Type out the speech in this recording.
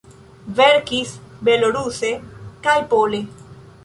Verkis beloruse kaj pole.